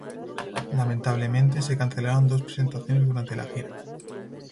Lamentablemente se cancelaron dos presentaciones durante la gira.